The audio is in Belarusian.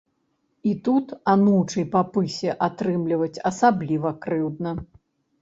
І тут анучай па пысе атрымліваць асабліва крыўдна.